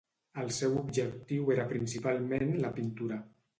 El seu objectiu era principalment la pintura.